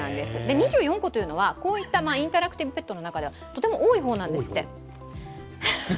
２４個というのは、インタラクティブペットの方ではとても多い方なんですって。